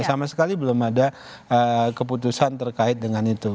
sama sekali belum ada keputusan terkait dengan itu